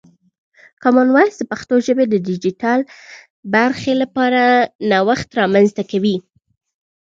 کامن وایس د پښتو ژبې د ډیجیټل برخې لپاره نوښت رامنځته کوي.